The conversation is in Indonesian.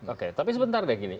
oke tapi sebentar deh gini